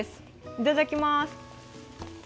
いただきまーす。